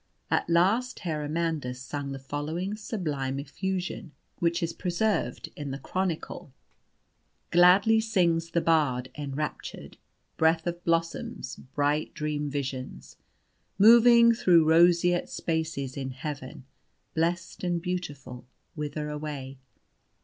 At last Herr Amandus sung the following sublime effusion (which is preserved in the Chronicle): "Gladly sings the Bard, enraptured, Breath of blossoms, bright dream visions, Moving thro' roseate spaces in Heaven, Blessed and beautiful, whither away?